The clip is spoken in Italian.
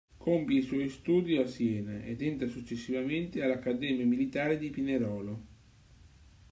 Compie i suoi studi a Siena ed entra successivamente all'Accademia Militare di Pinerolo.